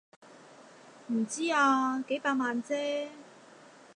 唔知啊，幾百萬啫